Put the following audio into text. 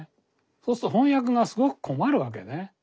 そうすると翻訳がすごく困るわけね。